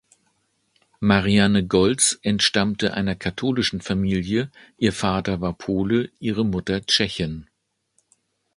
Marianne Golz entstammte einer katholischen Familie, ihr Vater war Pole, ihre Mutter Tschechin.